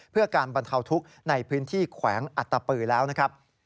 เพื่อการบรรเทาทุกข์ในพื้นที่แขวงอัตตปือแล้วนะครับ